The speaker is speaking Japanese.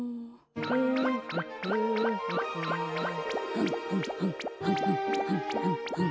はんはんはんはんはんはんはんはん。